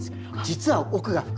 実は奥が深い。